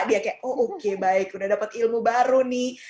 dia kayak oh oke baik udah dapat ilmu baru nih